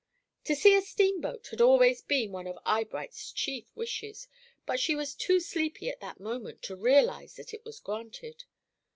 To see a steamboat had always been one of Eyebright's chief wishes, but she was too sleepy at that moment to realize that it was granted.